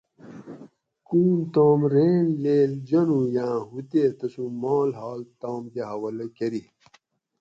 کون تام رین لیڷ جانوگاۤں ہُو تے تسوں مال حال تام کہ حوالہ کۤری